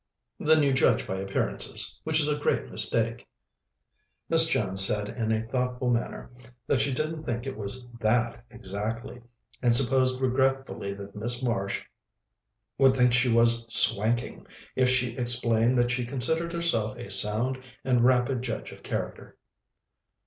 "Then you judge by appearances, which is a great mistake." Miss Jones said in a thoughtful manner that she didn't think it was that exactly, and supposed regretfully that Miss Marsh would think she was "swanking" if she explained that she considered herself a sound and rapid judge of character.